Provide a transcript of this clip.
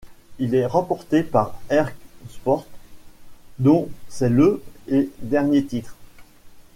Il est remporté par Herk Sport dont c'est le et dernier titre.